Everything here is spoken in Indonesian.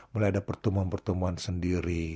mulai ada pertemuan pertemuan sendiri